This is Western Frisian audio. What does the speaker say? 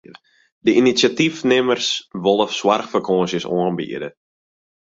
De inisjatyfnimmers wolle soarchfakânsjes oanbiede.